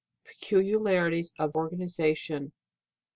Peculiarities of organization..